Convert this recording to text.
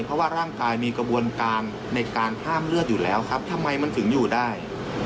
เพราะว่าร่างกายมีกระบวนการในการห้ามเลือดอยู่แล้วครับทำไมมันถึงอยู่ได้